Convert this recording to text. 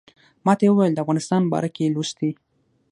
ماته یې ویل د افغانستان باره کې یې لوستي.